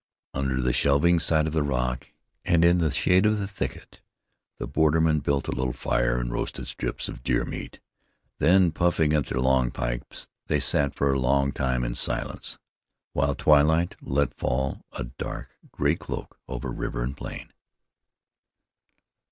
Under the shelving side of the rock, and in the shade of the thicket, the bordermen built a little fire and roasted strips of deer meat. Then, puffing at their long pipes they sat for a long time in silence, while twilight let fall a dark, gray cloak over river and plain.